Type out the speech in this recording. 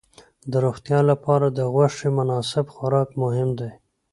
د روغتیا لپاره د غوښې مناسب خوراک مهم دی.